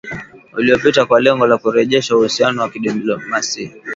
uliopita kwa lengo la kurejesha uhusiano wa kidiplomasia